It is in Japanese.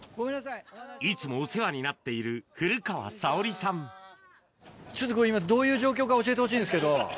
いつもお世話になっている古ちょっとこれ、今どういう状況か教えてほしいんですけど。